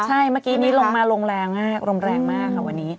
ใช่เมื่อกี้นี้ลงมาลงแรงมากลมแรงมากค่ะวันนี้